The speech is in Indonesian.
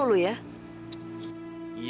semuanya pokoknya ya